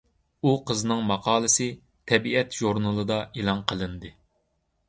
ئۇ قىزنىڭ ماقالىسى «تەبىئەت» ژۇرنىلىدا ئېلان قىلىندى.